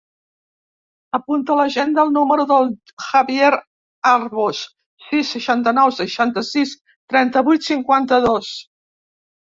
Apunta a l'agenda el número del Javier Arbos: sis, seixanta-nou, seixanta-sis, trenta-vuit, cinquanta-dos.